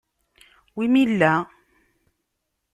Wi m-illa?